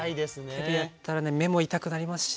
手でやったらね目も痛くなりますしね。